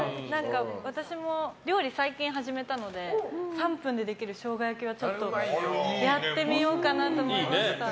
私も料理、最近始めたので３分でできるショウガ焼きはやってみようと思いました。